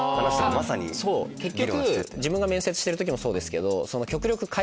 結局自分が面接してる時もそうですけど。